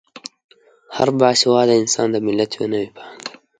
هر با سواده انسان د ملت یوه نوې پانګه ده.